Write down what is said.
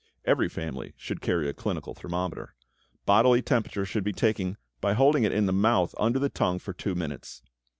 Every family should carry a clinical thermometer. Bodily temperature should be taken by holding it in the mouth under the tongue for two minutes.